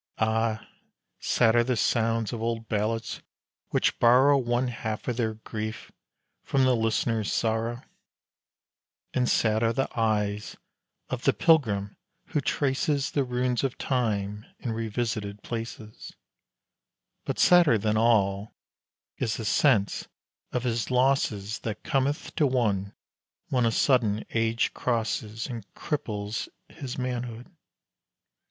Ah! sad are the sounds of old ballads which borrow One half of their grief from the listener's sorrow; And sad are the eyes of the pilgrim who traces The ruins of Time in revisited places; But sadder than all is the sense of his losses That cometh to one when a sudden age crosses And cripples his manhood.